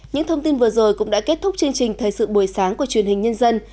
những thông tin vừa rồi cũng đã kết thúc chương trình thời sự buổi sáng của truyền hình nhân dân